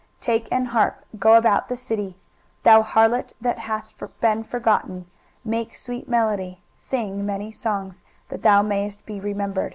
23:023:016 Take an harp, go about the city, thou harlot that hast been forgotten; make sweet melody, sing many songs, that thou mayest be remembered.